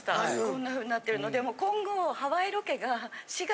こんなふうになってるの。